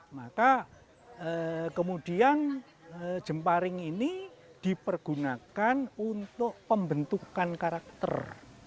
maka kemudian jemparing ini dipergunakan untuk pembentukan karakter